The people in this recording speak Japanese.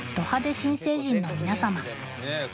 新成人の皆様